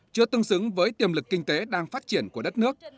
chưa tương xứng với tiềm lực kinh tế đang phát triển của đất nước